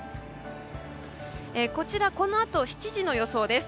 こちらこのあと７時の予想です。